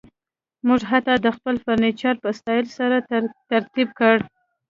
موږ حتی خپل فرنیچر په سټایل سره ترتیب کړ